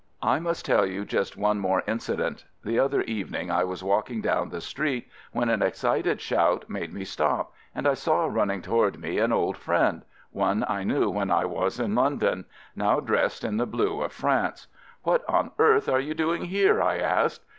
I must tell you just one more incident. The other evening I was walking down the street when an excited shout made me stop and I saw running toward me an old friend — one I knew when I was in London — now dressed in the blue of France. "What on earth are you doing here?" I asked.